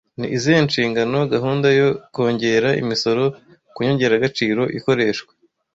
Ni izihe nshingano gahunda yo kongera imisoro ku nyongeragaciro ikoreshwa